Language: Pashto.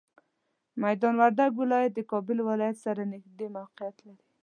میدان وردګ ولایت د کابل ولایت سره نږدې موقعیت لري.